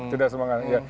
tidak sembarangan ya